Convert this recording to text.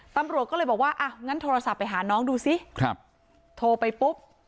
ตำรวจก็เลยบอกว่าอ่ะงั้นโทรศัพท์ไปหาน้องดูสิครับโทรไปปุ๊บ